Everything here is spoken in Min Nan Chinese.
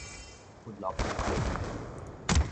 佛洛伊德